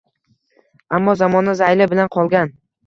Ammo zamona zayli bilan qolgan